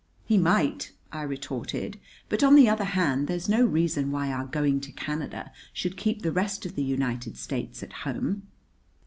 "He might," I retorted; "but, on the other hand, there's no reason why our going to Canada should keep the rest of the United States at home!"